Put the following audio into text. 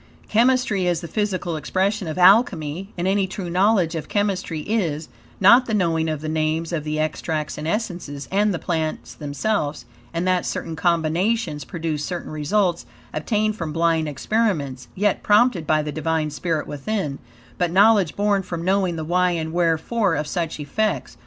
Chemistry is the physical expression of Alchemy, and any true knowledge of chemistry is: not the knowing of the names of the extracts and essences, and the plants themselves, and that certain combinations produce certain results, obtained from blind experiments, yet, prompted by the Divine spirit within; but, knowledge born from knowing the why and wherefore of such effects.